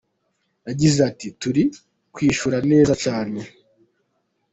Yagize ati “Turi kwishyura neza cyane.